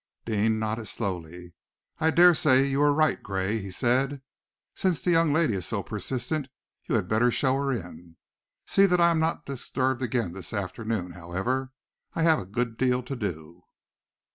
Deane nodded slowly. "I daresay you were right, Gray," he said. "Since the young lady is so persistent, you had better show her in. See that I am not disturbed again this afternoon, however. I have a good deal to do."